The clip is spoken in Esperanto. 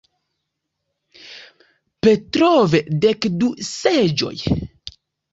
Petrov "Dek du seĝoj".